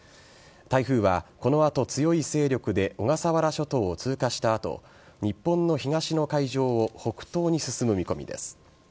台風はこの後、強い勢力で小笠原諸島を通過した後日本の東の海上を北東に進む見込みです。